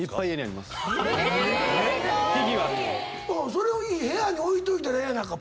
それを部屋に置いといたらええやないか。